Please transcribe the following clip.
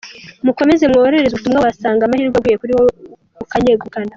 Mukomeze mwohereza ubutumwa wasanga amahirwe aguye kuri wowe ukanyegukana”.